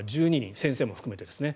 先生も含めてですね。